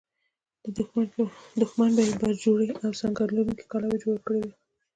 دښمن به یې برجورې او سنګر لرونکې کلاوې جوړې کړې وي.